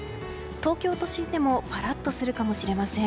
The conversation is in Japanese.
東京都心でもぱらっとするかもしれません。